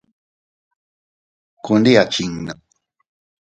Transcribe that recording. Ku ndi a chinnu.